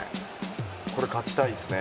これ、勝ちたいですね